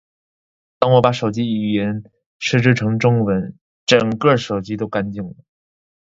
当我把手机语言设置成英文，整个手机都干净了